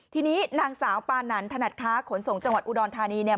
ทีนี้นางสาวปานันถนัดค้าขนส่งจังหวัดอุดรธานีเนี่ย